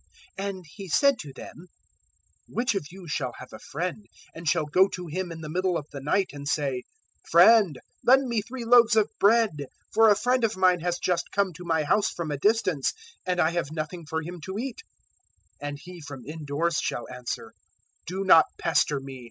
'" 011:005 And He said to them, "Which of you shall have a friend and shall go to him in the middle of the night and say, "`Friend, lend me three loaves of bread; 011:006 for a friend of mine has just come to my house from a distance, and I have nothing for him to eat'? 011:007 "And he from indoors shall answer, "`Do not pester me.